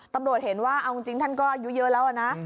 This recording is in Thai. ตำรวจเห็นว่าเอาจริงท่านก็อายุเยอะแล้วนะ